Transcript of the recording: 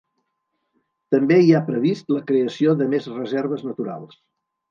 També hi ha previst la creació de més reserves naturals.